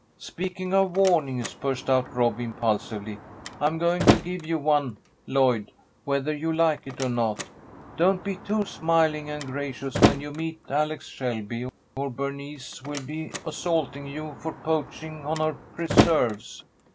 "Speaking of warnings," burst out Rob, impulsively, "I'm going to give you one, Lloyd, whether you like it or not. Don't be too smiling and gracious when you meet Alex Shelby, or Bernice will be assaulting you for poaching on her preserves.